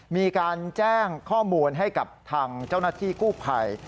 มีการแจ้งข้อมูลให้กับทางเจ้าหน้าที่กู้ภัย